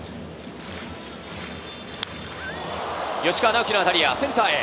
吉川尚輝の当たりはセンターへ。